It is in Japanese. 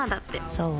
そう？